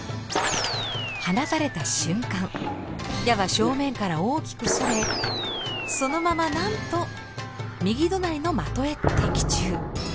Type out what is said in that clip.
放たれた瞬間矢は正面から大きくそれそのままなんと右隣の的へ的中。